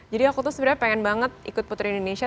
jadi aku tuh sebenarnya pengen banget ikut putri indonesia